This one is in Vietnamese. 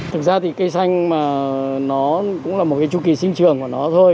thực ra thì cây xanh mà nó cũng là một cái chu kỳ sinh trường của nó thôi